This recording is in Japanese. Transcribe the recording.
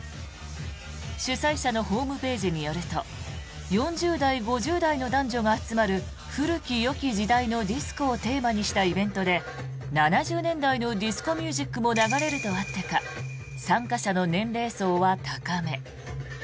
主催者のホームページによると４０代、５０代の男女が集まる古きよき時代のディスコをテーマにしたイベントで７０年代のディスコミュージックも流れるとあってか参加者の年齢層は高め。